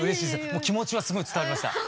もう気持ちはすごい伝わりました。